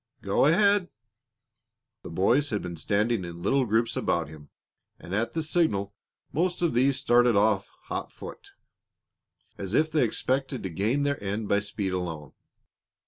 Go ahead." The boys had been standing in little groups about him, and at the signal most of these started off hotfoot, as if they expected to gain their end by speed alone.